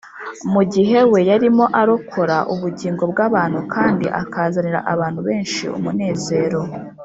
mu gihe we yarimo arokora ubugingo bw’abantu kandi akazanira abantu benshi umunezero